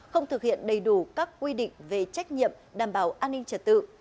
không thực hiện đầy đủ các quy định về trách nhiệm đảm bảo an ninh trật tự